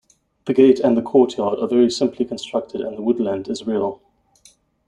The gate and the courtyard are very simply constructed and the woodland is real.